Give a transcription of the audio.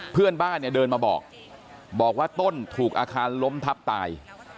เพื่อนบ้านเนี่ยเดินมาบอกบอกว่าต้นถูกอาคารล้มทับตาย